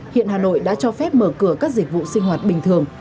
hiện hà nội đã cho phép mở cửa các dịch vụ sinh hoạt bình thường